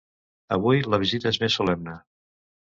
Avui la visita és més solemne.